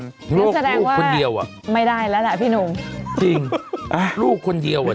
นั่นแสดงว่าคนเดียวอ่ะไม่ได้แล้วแหละพี่หนุ่มจริงอ่ะลูกคนเดียวอ่ะ